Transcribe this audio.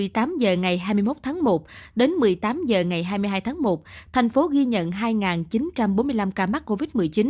một mươi tám h ngày hai mươi một tháng một đến một mươi tám h ngày hai mươi hai tháng một thành phố ghi nhận hai chín trăm bốn mươi năm ca mắc covid một mươi chín